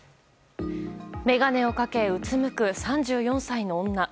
眼鏡をかけうつむく３４歳の女。